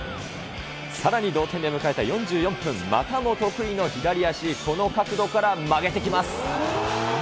さらに同点で迎えた４４分、またも得意の左足、この角度から曲げてきます。